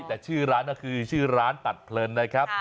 แต่ชื่อร้านก็คือชื่อร้านตัดเพลินนะครับ